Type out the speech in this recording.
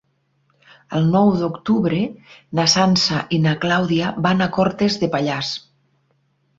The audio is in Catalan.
El nou d'octubre na Sança i na Clàudia van a Cortes de Pallars.